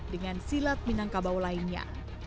dengan silat minangkabau lainnya